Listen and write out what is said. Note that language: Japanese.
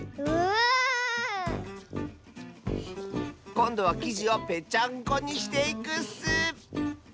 こんどはきじをぺちゃんこにしていくッス！